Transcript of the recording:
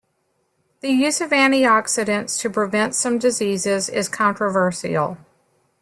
The use of antioxidants to prevent some diseases is controversial.